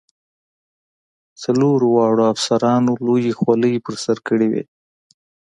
څلورو واړو افسرانو لویې خولۍ په سر کړې وې.